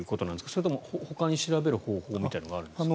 それともほかに調べる方法みたいなのがあるんですか？